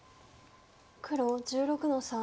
黒１６の三。